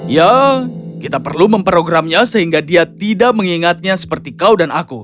ya kita perlu memprogramnya sehingga dia tidak mengingatnya seperti kau dan aku